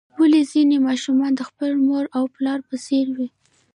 ولې ځینې ماشومان د خپل مور او پلار په څیر وي